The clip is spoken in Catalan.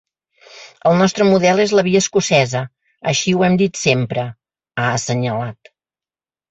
El nostre model és la via escocesa, així ho hem dit sempre, ha assenyalat.